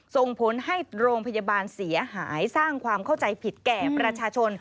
ส่งผลให้โรงพยาบาลเสียหายสร้างความเข้าใจผิดแก่ประชาชน